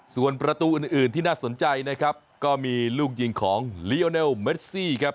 ส่วนประตูอื่นอื่นที่น่าสนใจนะครับก็มีลูกยิงของลีโอเนลเมซี่ครับ